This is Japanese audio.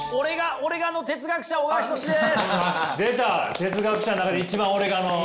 哲学者の中で一番「オレが」の。